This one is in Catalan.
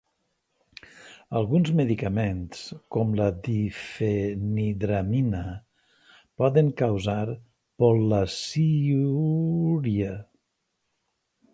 Alguns medicaments com la difenhidramina poden causar pol·laciúria.